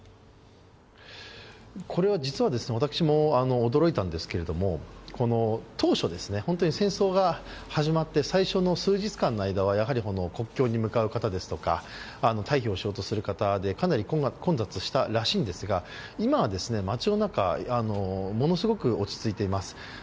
これは実は私も驚いたんですけれども当初、本当に戦争が始まって最初の数日間の間は、やはり国境に向かう方ですとか、退避をしようとする人でかなり混雑したらしいんですが、今は街の中、ものすごく落ち着いています。